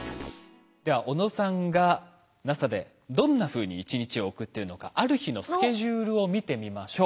では小野さんがＮＡＳＡでどんなふうに１日を送っているのかある日のスケジュールを見てみましょう。